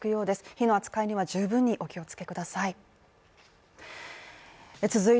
火の扱いには十分にお気をつけください。